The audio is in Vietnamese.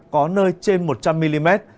có nơi trên một trăm linh mm